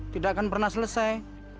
tidak akan pernah selesai